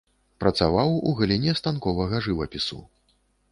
Працаваў у галіне станковага жывапісу.